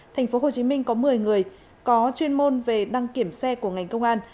thành phố hồ chí minh có một mươi người có chuyên môn về đăng kiểm xe của ngành công an